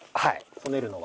こねるのは。